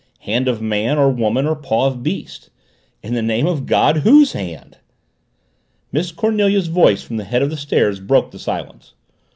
Hand of man or woman or paw of beast? In the name of God WHOSE HAND? Miss Cornelia's voice from the head of the stairs broke the silence.